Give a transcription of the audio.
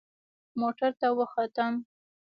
موټر ته وختم.